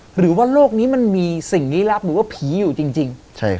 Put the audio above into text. หรือว่าโลกนี้มันมีสิ่งลี้ลับหรือว่าผีอยู่จริง